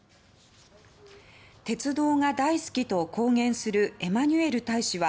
鉄道が大好きと公言するエマニュエル大使は